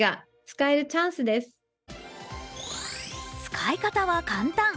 使い方は簡単。